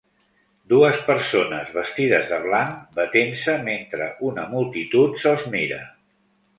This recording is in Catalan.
Dues persones vestides de blanc batent-se metre una multitud se'ls mira.